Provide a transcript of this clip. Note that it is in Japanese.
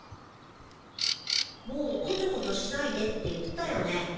もうこちょこちょしないでって言ったよね？